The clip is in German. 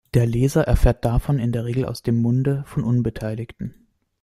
Der Leser erfährt davon in der Regel aus dem Munde von Unbeteiligten.